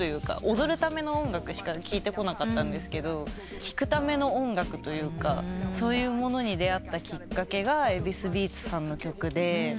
踊るための音楽しか聴いてこなかったんですけど聴くための音楽というかそういうものに出合ったきっかけがＥＶＩＳＢＥＡＴＳさんの曲で。